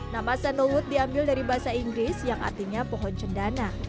nama sanowut diambil dari bahasa inggris yang artinya pohon cendana